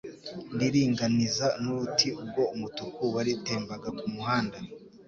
Ndiringaniza n'uruti, ubwo umutuku walitembaga ku muhunda.